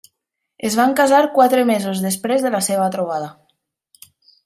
Es van casar quatre mesos després de la seva trobada.